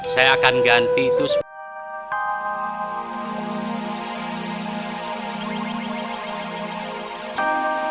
saya akan ganti itu semua